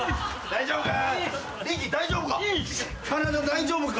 大丈夫か？